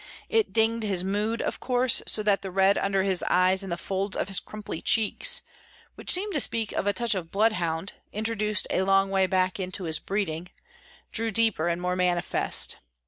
It dinged his mood, of course, so that the red under his eyes and the folds of his crumply cheeks —which seemed to speak of a touch of bloodhound introduced a long way back into his breeding—drew deeper and more manifest.